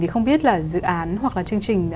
thì không biết là dự án hoặc là chương trình